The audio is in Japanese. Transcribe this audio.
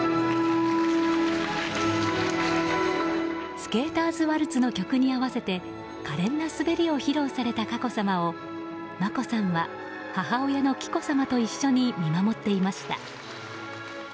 「スケーターズ・ワルツ」の曲に合わせて可憐な滑りを披露された佳子さまを眞子さんは母親の紀子さまと一緒に見守っていました。